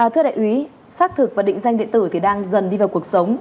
thưa đại úy xác thực và định danh điện tử thì đang dần đi vào cuộc sống